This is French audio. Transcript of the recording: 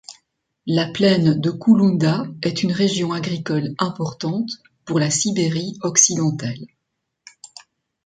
La plaine de Koulounda est une région agricole importante pour la Sibérie occidentale.